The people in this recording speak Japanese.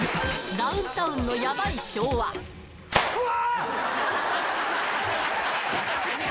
ダウンタウンのヤバい昭和うわ！